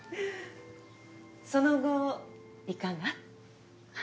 その後いかが？